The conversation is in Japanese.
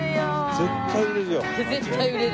絶対売れる！